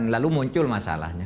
lalu muncul masalahnya